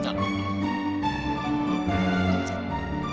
nggak ada uang nggak ada uang